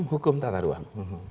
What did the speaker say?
hukum tata ruang